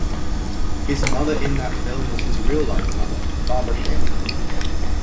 His mother in that film was his real-life mother, Barbara Hale.